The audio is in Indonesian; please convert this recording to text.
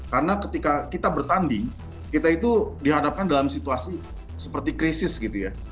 karena ketika kita bertanding kita itu dihadapkan dalam situasi seperti krisis gitu ya